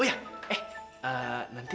oh ya eh nanti